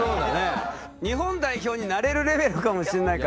日本代表になれるレベルかもしんないから。